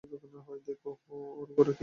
দেখো ওর ঘরে আছে কি না।